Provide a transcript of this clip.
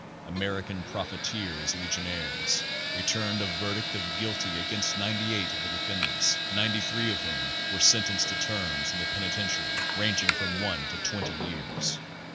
(American Profiteers Legionaries) re turned a verdict of guilty against 98 of the defendants, 93 of whom were sentenced to terms in the penitentiary ranging from one to twenty years.